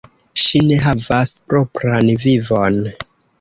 Ŝi ne havas propran vivon.